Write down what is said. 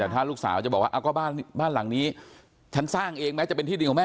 แต่ถ้าลูกสาวจะบอกว่าก็บ้านหลังนี้ฉันสร้างเองแม้จะเป็นที่ดินของแม่